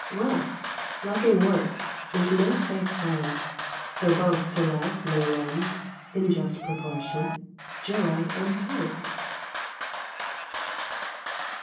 Wealth, lacking worth, is no safe friend, Though both to life may lend, In just proportion, joy untold.